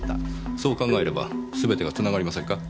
そう考えればすべてが繋がりませんか？